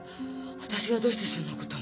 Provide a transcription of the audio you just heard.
私がどうしてそんなことを。